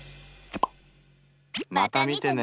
また見てね。